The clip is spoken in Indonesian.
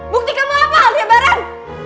bukti kamu apa aldebaran